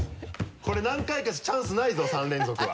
これ何回かしかチャンスないぞ３連続は。